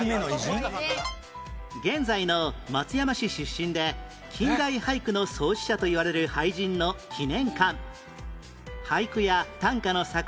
現在の松山市出身で近代俳句の創始者といわれる俳人の記念館俳句や短歌の作品